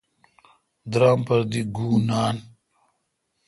درام پر دی گُو نان۔